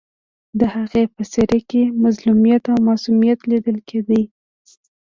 د هغې په څېره کې مظلومیت او معصومیت لیدل کېده